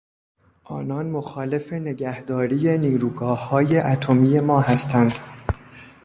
آنان مخالف نگهداری نیروگاههای اتمی ما هستند.